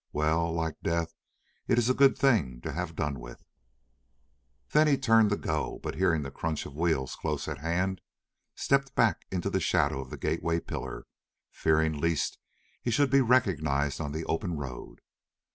"Well, like death, it is a good thing to have done with." Then he turned to go; but hearing the crunch of wheels close at hand, stepped back into the shadow of the gateway pillar, fearing lest he should be recognised on the open road.